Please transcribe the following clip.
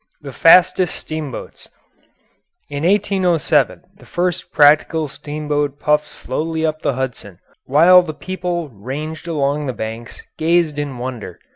] THE FASTEST STEAMBOATS In 1807, the first practical steamboat puffed slowly up the Hudson, while the people ranged along the banks gazed in wonder.